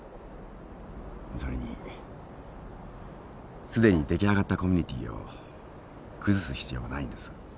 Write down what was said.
それにすでに出来上がったコミュニティーを崩す必要はないんです。